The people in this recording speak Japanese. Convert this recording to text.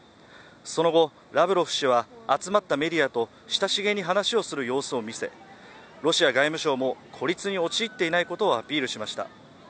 その後、ラブロフ氏は集まったメディアと親しげに話をする様子を見せロシア外務省も、孤立に陥っていないことをアピールしました。